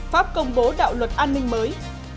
pháp công bố đạo luật an ninh mới